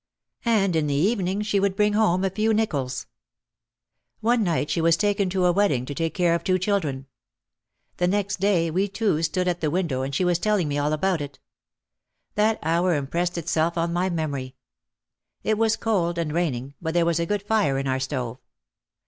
And in the evening she would bring home a few nickels. One night she was taken to a wedding to take care of two children. The next day we two stood at the window and she was telling me about it. That hour impressed itself on my memory. It was cold and raining but there was a good fire in our stove.